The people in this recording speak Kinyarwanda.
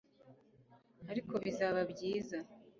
ariko bizaba byiza